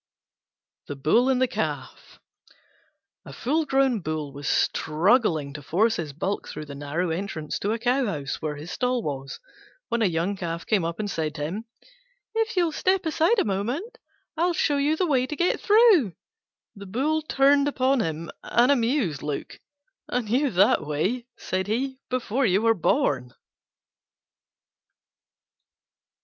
THE BULL AND THE CALF A full grown Bull was struggling to force his huge bulk through the narrow entrance to a cow house where his stall was, when a young Calf came up and said to him, "If you'll step aside a moment, I'll show you the way to get through." The Bull turned upon him an amused look. "I knew that way," said he, "before you were born."